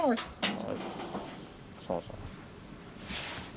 そうそう。